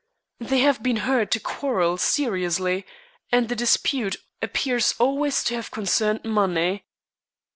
They have been heard to quarrel seriously, and the dispute appears always to have concerned money.